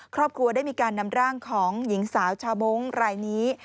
ครอบครัวได้มีการนำร่างของหญิงสาวชาวมงค์รายนี้